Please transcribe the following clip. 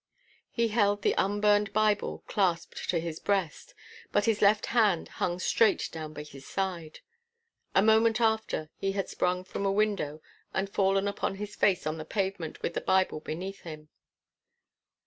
He held the unburned Bible clasped to his breast, but his left hand hung straight down by his side. A moment after he had sprung from a window and fallen upon his face on the pavement with the Bible beneath him.